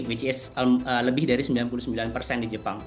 which is lebih dari sembilan puluh sembilan persen di jepang